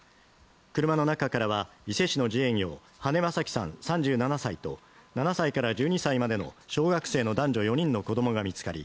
車の中からは伊勢市の自営業羽根正樹さん３７歳と７歳から１２歳までの小学生の男女４人の子どもが見つかり